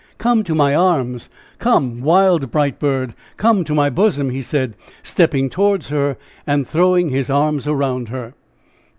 Come to my arms! Come, wild, bright bird! come to my bosom!" he said, stepping towards her and throwing his arms around her.